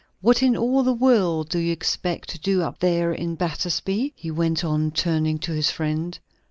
What in all the world do you expect to do up there at Battersby?" he went on, turning to his friend.